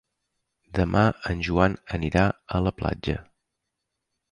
Demà en Joan anirà a la platja.